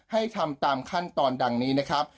ให้ทำตามขั้นตอนดังนี้นะครับ